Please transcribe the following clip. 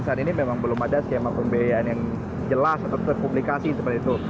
saat ini memang belum ada skema pembiayaan yang jelas atau terpublikasi seperti itu